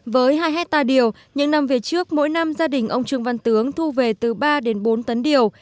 với hai hectare điều những năm về trước mỗi năm gia đình ông trương văn tướng thu về từ ba đến bốn tấn điều